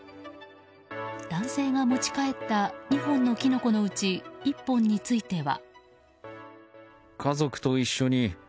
男性が持ち帰った２本のキノコのうち１本については。